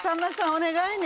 お願いね